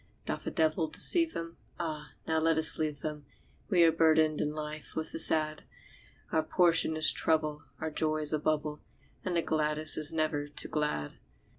Doth a devil deceive them? Ah, now let us leave them We are burdened in life with the sad; Our portion is trouble, our joy is a bubble, And the gladdest is never too glad.